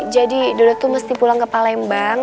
jadi dodo tuh mesti pulang ke palembang